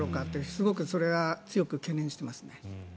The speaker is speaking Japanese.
すごくそれを強く懸念していますね。